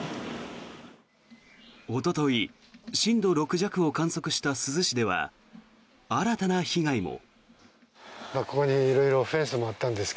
おととい震度６弱を観測した珠洲市では新たな被害も。